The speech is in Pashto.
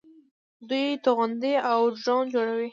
دوی توغندي او ډرون جوړوي.